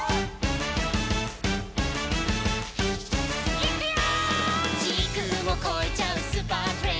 「いくよー！」